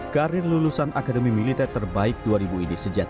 karir lulusan akademi militer terbaik dua ribu ini sejati